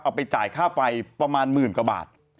ไปจ่ายค่าไฟประมาณหมื่นกว่าบาท